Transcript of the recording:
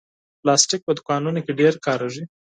پلاستيک په دوکانونو کې ډېر کارېږي.